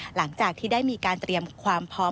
หลังจากที่ได้มีการเตรียมความพร้อม